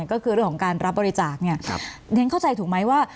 ก็คือเรื่องของการรับบริจาคเนี่ยเรียนเข้าใจถูกไหมว่า